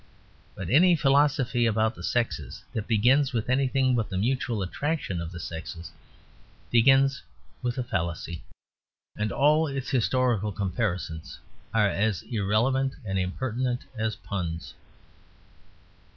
But any philosophy about the sexes that begins with anything but the mutual attraction of the sexes, begins with a fallacy; and all its historical comparisons are as irrelevant and impertinent as puns.